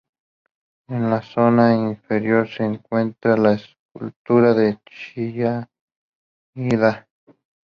En la zona inferior se encuentra la escultura de Chillida.